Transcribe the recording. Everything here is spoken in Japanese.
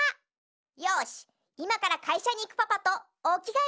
よしいまからかいしゃにいくパパとおきがえ